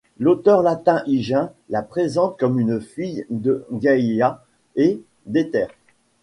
L'auteur latin Hygin la présente comme une fille de Gaïa et d'Éther.